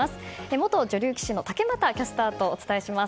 元女流棋士の竹俣キャスターとお伝えします。